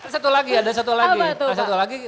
satu lagi ada satu lagi